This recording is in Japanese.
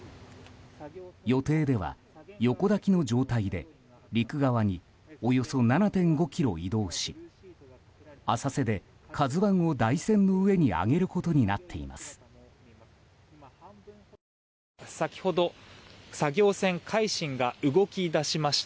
予定では横抱きの状態で陸側におよそ７．５ｋｍ移動し浅瀬で「ＫＡＺＵ１」を台船の上に上げることになっています。